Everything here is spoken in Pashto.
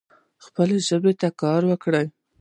خپلي ژبي ته کار وکړئ.